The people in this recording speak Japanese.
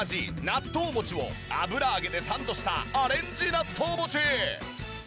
納豆餅を油揚げでサンドしたアレンジ納豆餅。